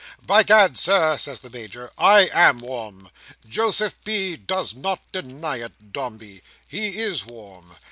"By Gad, Sir," says the Major, "I am warm. Joseph B. does not deny it, Dombey. He is warm.